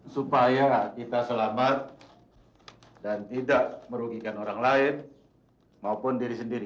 supaya kita selamat dan tidak merugikan orang lain maupun diri sendiri